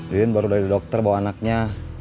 baru dari dokter bawa anaknya